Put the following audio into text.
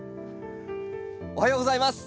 おはようございます。